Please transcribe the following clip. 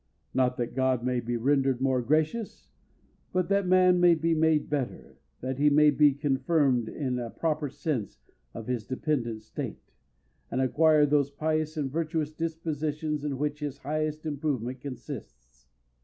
Not that God may be rendered more gracious, but that man may be made better, that he may be confirmed in a proper sense of his dependent state, and acquire those pious and virtuous dispositions in which his highest improvement consists.